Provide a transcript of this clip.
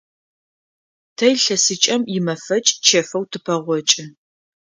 Тэ илъэсыкӏэм имэфэкӏ чэфэу тыпэгъокӏы.